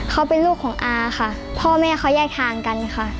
เขาเป็นลูกของอาค่ะพ่อแม่เขาแยกทางกันค่ะ